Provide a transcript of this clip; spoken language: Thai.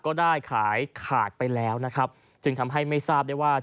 ก็ได้ขายขาดไปแล้ว